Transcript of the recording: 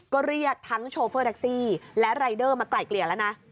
ก็เรียกทั้งโชเฟอร์แท็กซี่และรายเดอร์มาไกล่เกลี่ยแล้วนะ